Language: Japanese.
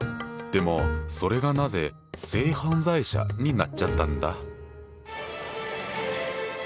でもそれがなぜ「性犯罪者」になっちゃったんだ？